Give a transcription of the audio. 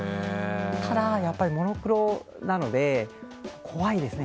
ただやっぱり、モノクロなので怖いですね。